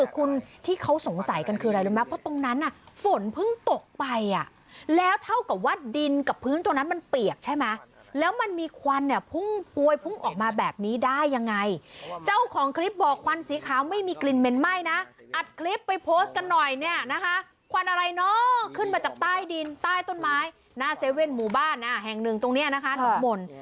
ขึ้นมาจากใต้ดินใต้ต้นไม้หน้าเซเว่นหมู่บ้านแห่งหนึ่งตรงนี้นะคะทุกคน